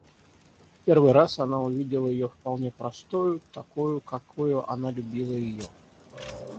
В первый раз она увидела ее вполне простою, такою, какою она любила ее.